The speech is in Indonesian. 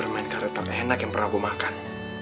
main karakter enak yang pernah gua makan